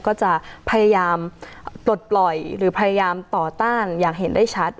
ก็จะพยายามปลดปล่อยหรือพยายามต่อต้านอย่างเห็นได้ชัด